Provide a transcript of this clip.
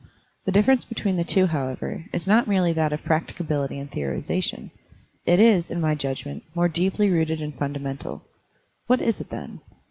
The difference between the two, however, is not merely that of practicability and theorization. It is, in my judgment, more deeply rooted and fundamental. What is it, then?